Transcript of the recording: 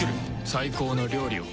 最高の料理を。